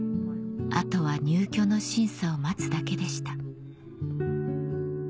あとは入居の審査を待つだけでした